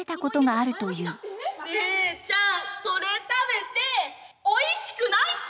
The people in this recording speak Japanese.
姉ちゃんそれ食べておいしくないって。